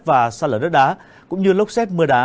và sợi lớn đá cũng như lốc xét mưa đá